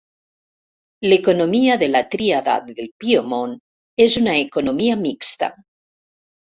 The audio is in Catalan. L'economia de la Tríada del Piemont és una economia mixta.